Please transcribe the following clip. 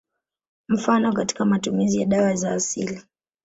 Mfano katika matumizi ya dawa za asili